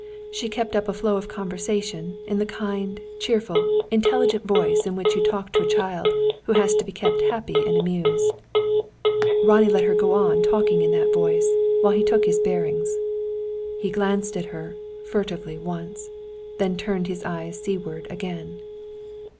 She kept up a flow of conversation, in the kind, cheerful, intelligent voice in which you talk to a child who has to be kept happy and amused. Ronnie let her go on talking in that voice, while he took his bearings. He glanced at her, furtively, once; then turned his eyes seaward again.